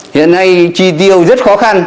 hiện nay chi tiêu rất khó khăn